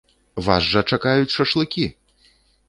Вас жа чакаюць шашлыкі!